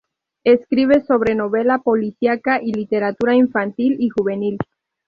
Escribe sobre novela policíaca y literatura infantil y juvenil.